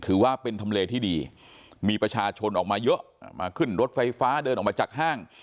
ถือว่าเป็นทำเลที่ดีมีประชาชนออกมาเยอะมาขึ้นรถไฟฟ้าเดินออกมาจากห้าง